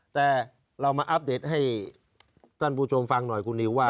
แต่เรามาอัปเดตให้ท่านผู้ชมฟังหน่อยคุณนิวว่า